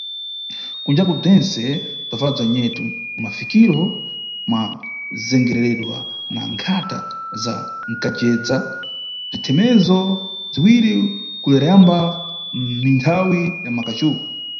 Kunjaku bzentse bzabvala bza nyetu, mʼmafikiro mwa zengereredwa na nkhata za kanjedza, bzithemezo bziri kuleremba mʼmithawi ya mʼmakaju.